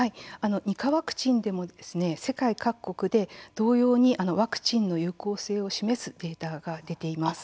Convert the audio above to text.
２価ワクチンでも世界各国で、同様にワクチンの有効性を示すデータが出ています。